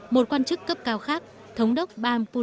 một quan chức cấp cao khác thống đốc bham leo p runway